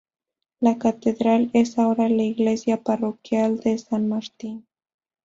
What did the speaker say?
La catedral es ahora la iglesia parroquial de San Martín.